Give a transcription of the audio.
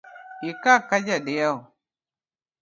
Ikak ka jadiewo